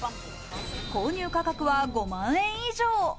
購入価格は５万円以上。